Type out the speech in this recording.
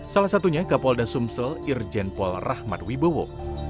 salah satunya kapolda sumsel irjenpol rahmat wibowo